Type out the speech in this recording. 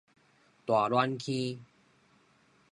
大暖坑